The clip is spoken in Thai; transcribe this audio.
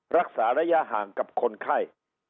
รักษาระยะห่างกับคนไข้